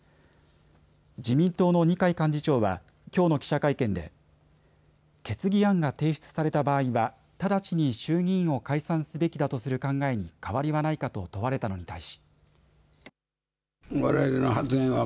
自民党の二階幹事長はきょうの記者会見で決議案が提出された場合は直ちに衆議院を解散すべきだとする考えに変わりはないかと問われたのに対し。